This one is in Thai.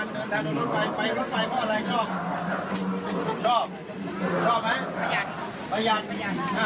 ก็ต้องมารถไปกระบวนทางหาข้าวกินค่ะ